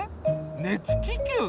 熱気球？